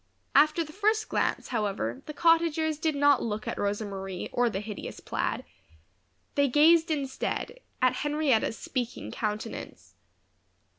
After the first glance, however, the Cottagers did not look at Rosa Marie or the hideous plaid. They gazed instead at Henrietta's speaking countenance.